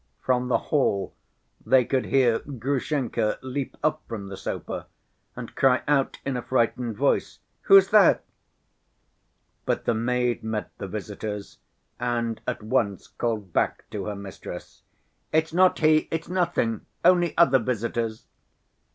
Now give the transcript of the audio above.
From the hall they could hear Grushenka leap up from the sofa and cry out in a frightened voice, "Who's there?" But the maid met the visitors and at once called back to her mistress. "It's not he, it's nothing, only other visitors."